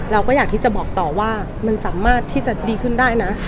เราก็อยากที่จะบอกต่อว่ามันสามารถที่จะดีขึ้นได้นะ